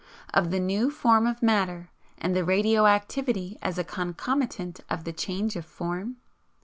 Of the 'new form of matter' and the 'radio activity as a concomitant of the CHANGE OF FORM'?